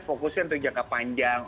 fokusnya untuk jangka panjang